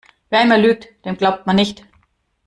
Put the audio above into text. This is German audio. Wer einmal lügt, dem glaubt man nicht.